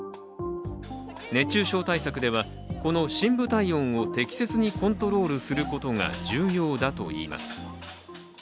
熱中症対策ではこの深部体温を適切にコントロールすることが重要だといいます。